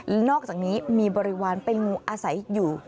และนอกจากนี้มีบริวารเป็นงูอาศัยอยู่